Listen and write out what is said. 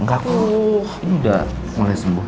enggak aku udah mulai sembuh